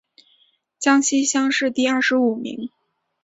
江西乡试第二十五名。